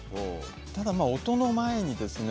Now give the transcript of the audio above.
ただ音の前にですね